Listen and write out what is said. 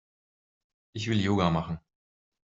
Ich will Yoga machen.